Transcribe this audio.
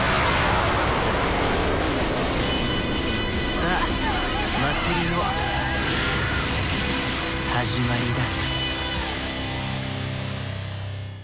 さあ祭りの始まりだ。